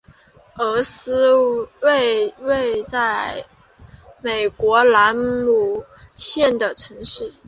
厄斯为位在美国兰姆县的城市。